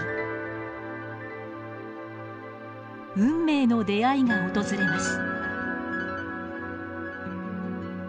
運命の出会いが訪れます。